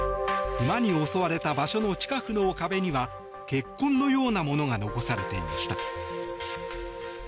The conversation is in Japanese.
クマに襲われた場所の近くの壁には血痕のようなものが残されていました。